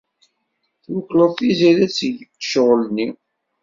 Twekkleḍ Tiziri ad teg ccɣel-nni.